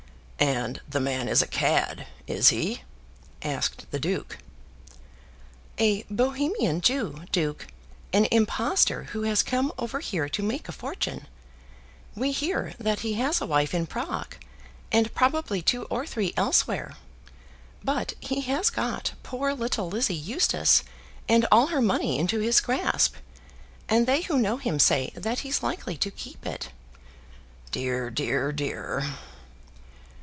"And the man is a cad; is he?" asked the duke. "A Bohemian Jew, duke, an impostor who has come over here to make a fortune. We hear that he has a wife in Prague, and probably two or three elsewhere. But he has got poor little Lizzie Eustace and all her money into his grasp, and they who know him say that he's likely to keep it." "Dear, dear, dear!"